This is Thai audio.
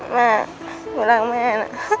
แหมฉันรักแม่นะ